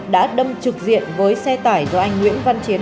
đã đâm trực diện với xe tải do anh nguyễn văn chiến